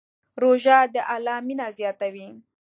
روژه د الله مینه زیاتوي.